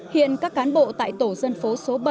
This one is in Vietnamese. hiện các cán bộ tại tổ dân phố số bảy